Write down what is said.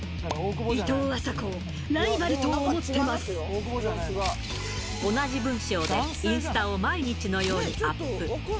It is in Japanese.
いとうあさこをライバルと思同じ文章でインスタを毎日のようにアップ。